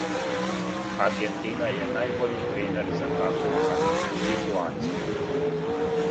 Аргентина је најбољи пример за такву трагичну ситуацију.